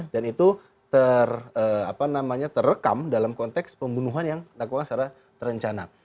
dan itu ter apa namanya terekam dalam konteks pembunuhan yang takutnya secara terencana